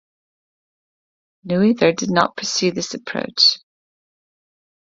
Noether did not pursue this approach.